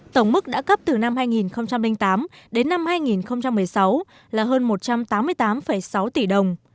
tổng mức đã cấp từ năm hai nghìn tám đến năm hai nghìn một mươi sáu là hơn một trăm tám mươi tám sáu tỷ đồng